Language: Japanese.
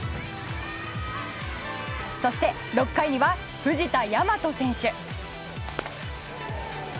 そして、６回には藤田倭選手。